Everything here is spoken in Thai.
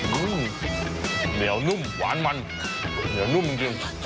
นุ่มเหนียวนุ่มหวานมันเหนียวนุ่มจริง